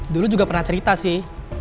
dulu juga pernah cerita sih